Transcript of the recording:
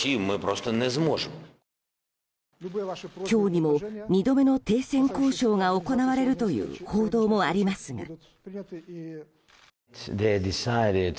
今日にも２度目の停戦交渉が行われるという報道もありますが。